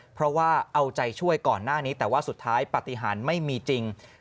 เพราะว่าเอาใจช่วยก่อนหน้านี้แต่ว่าสุดท้ายปฏิหารไม่มีจริง